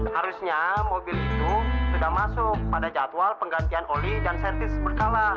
harusnya mobil itu sudah masuk pada jadwal penggantian oli dan servis berkala